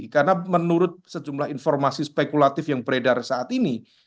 karena menurut sejumlah informasi spekulatif yang beredar saat ini